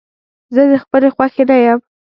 زه د خپلې خوښې نه يم.